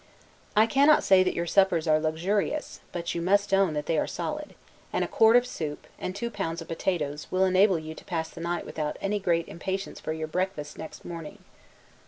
I cannot say that your suppers are luxurious, but you must own they are solid; and a quart of soup, and two pounds of potatoes, will enable you to pass the night without great impatience for your breakfast next morning.